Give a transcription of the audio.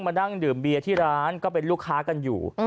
มานั่งดื่มเบียร์ที่ร้านก็เป็นลูกค้ากันอยู่